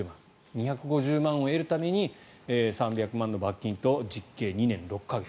２５０万を得るために３００万の罰金と実刑２年６か月。